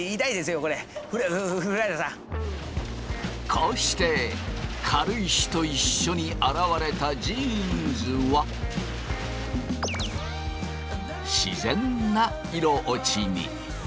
こうして軽石と一緒に洗われたジーンズは自然な色落ちに。